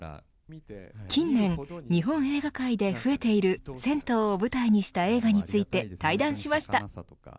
近年、日本映画界で増えている銭湯を舞台にした映画について対談しました。